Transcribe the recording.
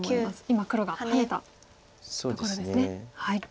今黒がハネたところですね。